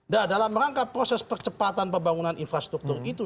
nah dalam rangka proses percepatan pembangunan infrastruktur itu